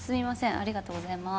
ありがとうございます